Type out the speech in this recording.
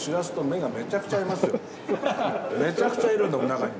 めちゃくちゃいるんだもん中に。